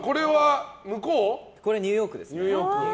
これニューヨークですね。